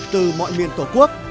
từ mọi miền tổ quốc